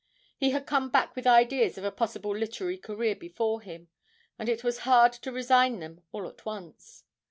He had come back with ideas of a possible literary career before him, and it was hard to resign them all at once.